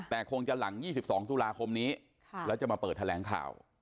แต่คงจะหลัง๒๒ตุลาคมนี้แล้วจะมาเปิดแถลงข่าว